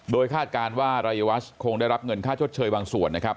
โดยคาดการณ์ว่ารายวัชคงได้รับเงินค่าชดเชยบางส่วนนะครับ